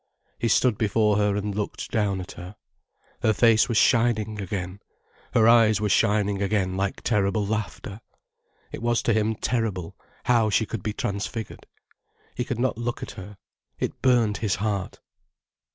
He stood before her and looked down at her. Her face was shining again, her eyes were shining again like terrible laughter. It was to him terrible, how she could be transfigured. He could not look at her, it burnt his heart.